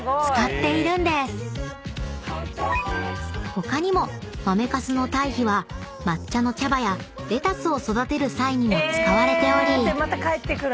［他にも豆かすの堆肥は抹茶の茶葉やレタスを育てる際にも使われており］